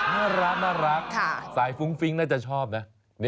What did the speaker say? น่ารักสายฟุ้งฟิ้งน่าจะชอบนะ